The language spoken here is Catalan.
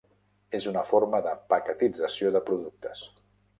És una forma de paquetització de productes.